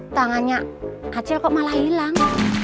tangannya kecil kok malah hilang